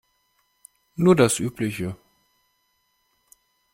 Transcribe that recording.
Nur das Übliche.